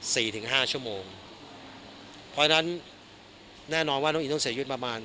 ถึงห้าชั่วโมงเพราะฉะนั้นแน่นอนว่าน้องอินต้องเสียชีวิตประมาณ